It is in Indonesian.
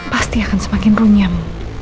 pasti akan semakin runyam